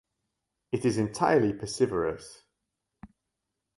It is entirely piscivorous.